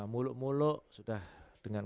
muluk muluk sudah dengan